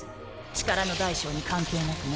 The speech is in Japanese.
力の大小に関係なくな。